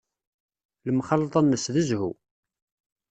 Lemxalḍa-nnes d zzhu.